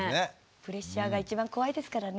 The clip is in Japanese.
プレッシャーが一番怖いですからね。